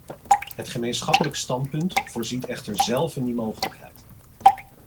Het gemeenschappelijk standpunt voorziet echter zelf in die mogelijkheid.